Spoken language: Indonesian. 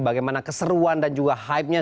bagaimana keseruan dan juga hype nya